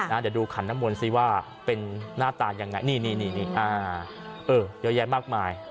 เดี๋ยวดูขันน้ำมนต์สิว่าเป็นหน้าตายังไงนี่นี่เยอะแยะมากมาย